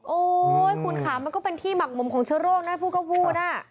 โอ๊ยคุณค่ะมันก็เป็นที่หมักหมมของเชื้อโรคนะพูดก็พูด